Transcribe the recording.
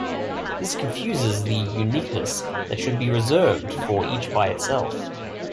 This confuses the uniqueness that should be reserved for each by itself.